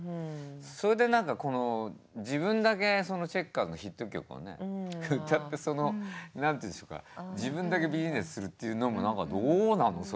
それでなんかこの自分だけそのチェッカーズのヒット曲をね歌ってその何て言うんでしょうか自分だけビジネスするっていうのもなんかどうなのそれという。